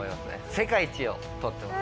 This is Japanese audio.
世界一を獲ってます。